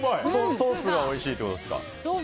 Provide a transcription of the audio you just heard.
ソースがおいしいってことですか？